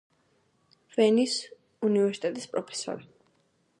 ვენის უნივერსიტეტის პროფესორი.